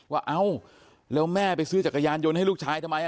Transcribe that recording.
เอ้าแล้วแม่ไปซื้อจักรยานยนต์ให้ลูกชายทำไม